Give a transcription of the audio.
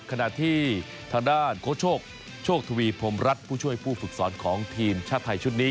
ขณะที่ทางด้านโค้ชโชคโชคทวีพรมรัฐผู้ช่วยผู้ฝึกสอนของทีมชาติไทยชุดนี้